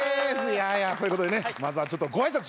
いやいやそういうことでねまずはちょっとご挨拶を。